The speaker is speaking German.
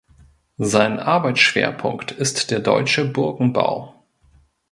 Sein Arbeitsschwerpunkt ist der deutsche Burgenbau.